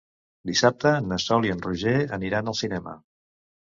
Dissabte na Sol i en Roger aniran al cinema.